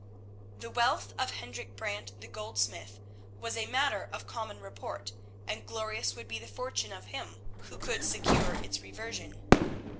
The wealth of Hendrik Brant, the goldsmith, was a matter of common report, and glorious would be the fortune of him who could secure its reversion.